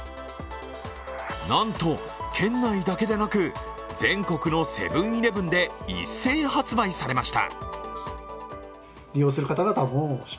なんと県内だけでなく全国のセブン−イレブンで一斉発売されました。